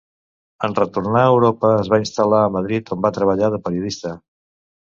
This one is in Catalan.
En retornar a Europa es va instal·lar a Madrid on va treballar de periodista.